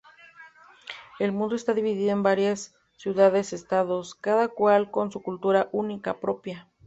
El mundo está dividido en varias ciudades-estados, cada cual con su cultura única propia.